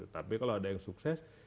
tapi kalau ada yang sukses